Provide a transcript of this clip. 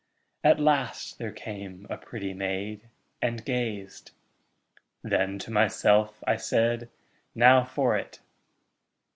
At last there came a pretty maid, And gazed; then to myself I said, 'Now for it!'